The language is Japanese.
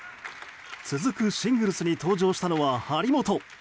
続くシングルスに登場したのは張本。